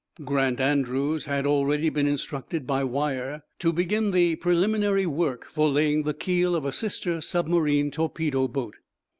Grant Andrews had already been instructed, by wire, to begin the preliminary work for laying the keel of a sister submarine torpedo boat.